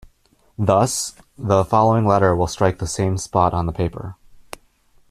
Thus, the following letter will strike the same spot on the paper.